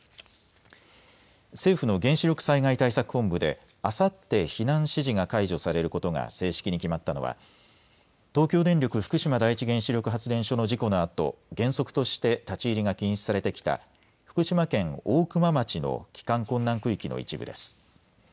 政府の原子力災害対策本部であさって避難指示が解除されることが正式に決まったのは東京電力福島第一原子力発電所の事故のあと、原則として立ち入りが禁止されてきた福島県大熊町の帰還困難区域の一部です。